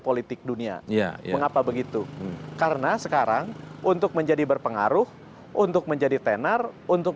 politik dunia ya mengapa begitu karena sekarang untuk menjadi berpengaruh untuk menjadi tenar untuk